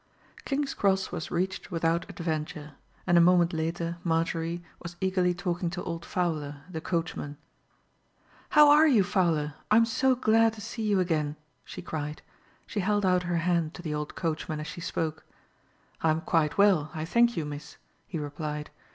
King's Cross was reached without adventure, and a moment later Marjorie was eagerly talking to old Fowler the coachman. "How are you, Fowler? I am so glad to see you again," she cried. She held out her hand to the old coachman as she spoke. "I am quite well, I thank you, miss," he replied.